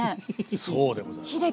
そうでございます。